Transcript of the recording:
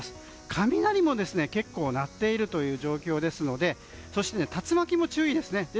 雷も結構鳴っているという状況ですので竜巻も注意ですね。